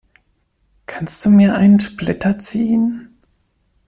Kannst du mir einen Splitter ziehen?